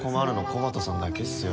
コバトさんだけっすよ